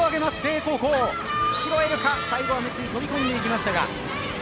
拾えるか、最後は光井、飛び込んでいきましたが。